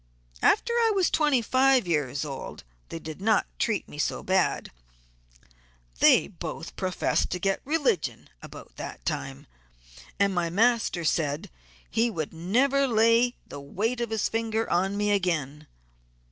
After I was twenty five years old they did not treat me so bad; they both professed to get religion about that time; and my master said he would never lay the weight of his finger on me again.